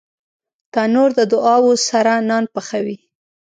تنور د دعاوو سره نان پخوي